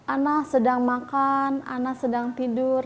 anak sedang makan anak sedang tidur